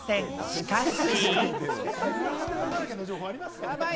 しかし。